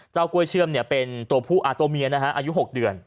เจ้ากลวยเชื่อมเป็นตัวผู้อ่ะตัวเมียนะฮะอายุ๖เดือน